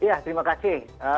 ya terima kasih